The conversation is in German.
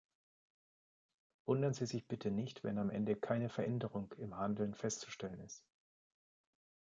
Wundern Sie sich bitte nicht, wenn am Ende keine Veränderung im Handeln festzustellen ist.